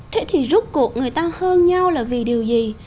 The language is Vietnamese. thế thì rút cuộc người ta hơn nhau là vì điều gì